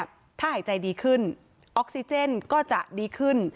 ถ้าหายใจดีขึ้นออกซิเจนก็จะดีขึ้น